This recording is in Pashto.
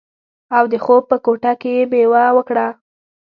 او د خوب په کوټه کې یې میوه وکړه